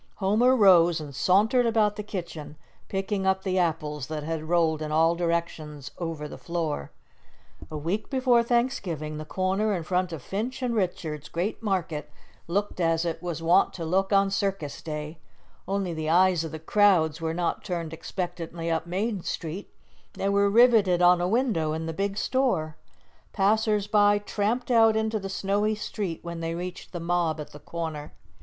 Homer rose and sauntered about the kitchen, picking up the apples that had rolled in all directions over the floor. A week before Thanksgiving, the corner in front of Finch & Richard's great market looked as it was wont to look on circus day: only the eyes of the crowds were not turned expectantly up Main Street; they were riveted on a window in the big store. Passers by tramped out into the snowy street when they reached the mob at the corner.